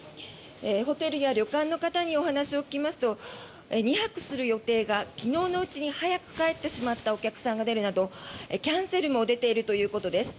ホテルや旅館の方にお話を聞くと２泊する予定が昨日のうちに早く帰ってしまったお客さんが出るなどキャンセルも出ているということです。